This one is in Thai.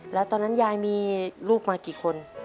แล้วตอนนั้นยายมีลูกมากี่คน